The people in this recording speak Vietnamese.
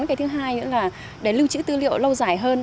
cái thứ hai nữa là để lưu trữ tư liệu lâu dài hơn